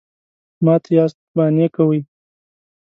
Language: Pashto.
_مات ياست، بانې کوئ.